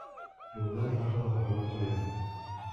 Юлда тағы ла һорап ҡуям: